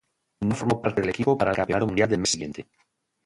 No formó parte del equipo para el campeonato mundial del mes siguiente.